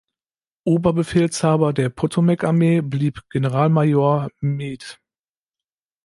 Oberbefehlshaber der Potomac-Armee blieb Generalmajor Meade.